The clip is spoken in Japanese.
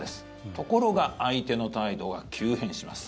ところが相手の態度が急変します。